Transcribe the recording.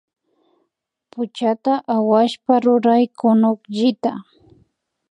Puchata awashpa ruray kunukllita